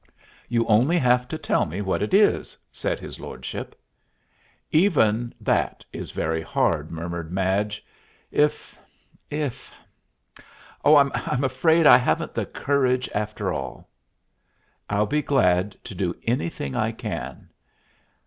"You only have to tell me what it is," said his lordship. "Even that is very hard," murmured Madge. "If if Oh! I'm afraid I haven't the courage, after all." "I'll be glad to do anything I can."